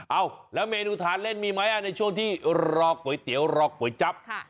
เอ้าแล้วเมนูทานเล่นมีไหมในช่วงที่รอก๋วยเตี๋ยวรอก๋วยจั๊บ